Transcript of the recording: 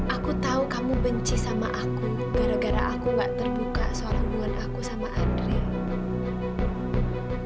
aku tahu kamu benci sama aku gara gara aku gak terbuka soal hubungan aku sama andre